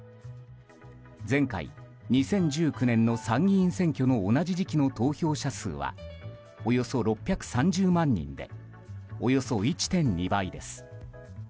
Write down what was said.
前回２０１９年の参議院選挙の同じ時期の投票者数はおよそ６３０万人でおよそ１．２倍です。